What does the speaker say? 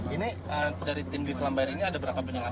ini dari tim biflambair ini ada berapa penyelam